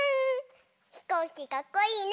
ひこうきかっこいいね！